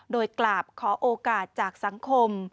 โดยกราบขอโอกาสจากสังคม